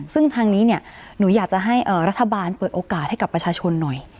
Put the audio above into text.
ซึ่งทางนี้เนี่ยหนูอยากจะให้รัฐบาลเปิดโอกาสให้กับประชาชนหน่อย